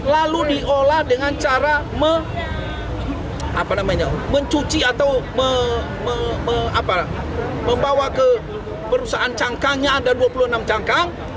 lalu diolah dengan cara mencuci atau membawa ke perusahaan cangkangnya ada dua puluh enam cangkang